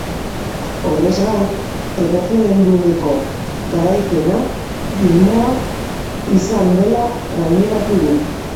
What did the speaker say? Horrez gain, erreferendumeko garaipena irmoa izan dela gaineratu du.